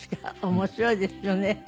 面白いですよね。